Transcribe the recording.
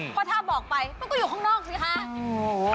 เพราะถ้าบอกไปมันก็อยู่ข้างนอกสิคะ